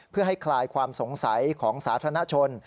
เพื่อให้คลายความสงสัยของสาธารณชน